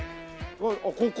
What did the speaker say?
あっここ？